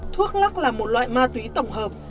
thuốc lóc là một loại ma túy tổng hợp